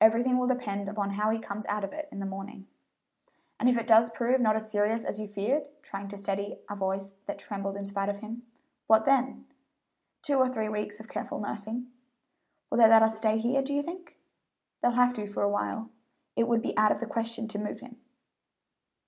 Everything will depend upon how he comes out of it in the morning." "And if it does prove not as serious as you feared" trying to steady a voice that trembled in spite of him "what then?" "Two or three weeks of careful nursing." "Will they let us stay here, do you think?" "They'll have to for a while. It would be out of the question to move him."